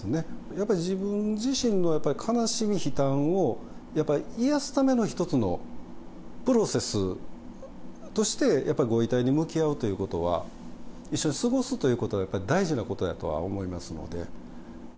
やっぱり自分自身の悲しみ、悲嘆をやっぱり癒やすための一つのプロセスとして、やっぱりご遺体に向き合うということは、一緒に過ごすということがやっぱり大事なことやとは思いますので。